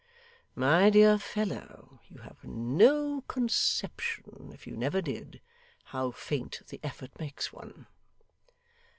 My dear fellow, you have no conception, if you never did, how faint the effort makes one.